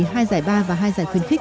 hai giải ba và hai giải khuyến khích